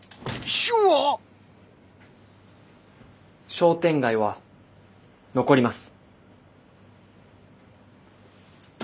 商店街は残ります。